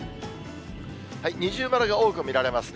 二重丸が多く見られますね。